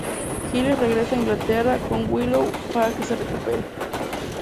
Giles regresa a Inglaterra con Willow para que se recupere.